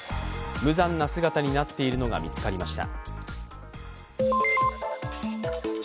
無残な姿になっているのが見つかりました。